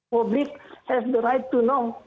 publik punya hak untuk tahu